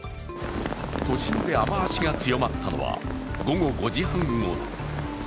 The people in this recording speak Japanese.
都心で雨足が強まったのは午後５時半ごろ。